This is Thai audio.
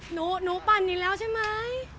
หนูปั่นอีกแล้วใช่ไหม